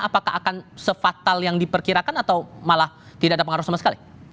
apakah akan sefatal yang diperkirakan atau malah tidak ada pengaruh sama sekali